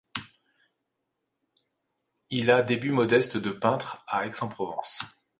Il a début modestes de peintre à Aix-en-Provence.